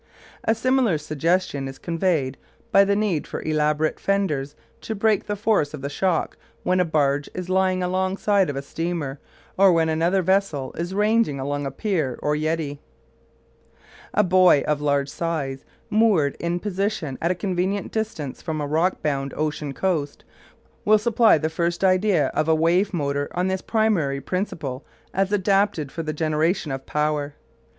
A similar suggestion is conveyed by the need for elaborate "fenders" to break the force of the shock when a barge is lying alongside of a steamer, or when any other vessel is ranging along a pier or jetty. A buoy of large size, moored in position at a convenient distance from a rock bound ocean coast, will supply the first idea of a wave motor on this primary principle as adapted for the generation of power.